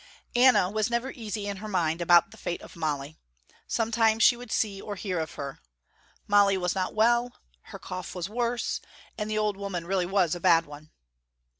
Anna was never easy in her mind about the fate of Molly. Sometimes she would see or hear of her. Molly was not well, her cough was worse, and the old woman really was a bad one.